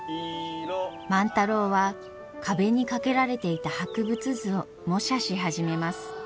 万太郎は壁に掛けられていた博物図を模写し始めます。